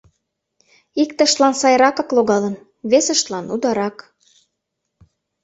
Иктыштлан сайракак логалын, весыштлан ударак.